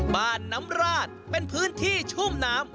น้ำราดเป็นพื้นที่ชุ่มน้ำ